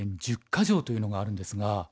ヶ条というのがあるんですが。